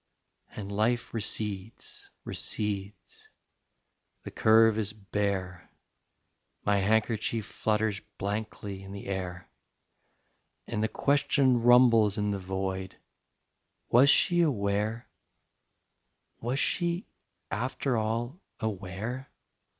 And life recedes, recedes; the curve is bare, My handkerchief flutters blankly in the air; And the question rumbles in the void: Was she aware, was she after all aware?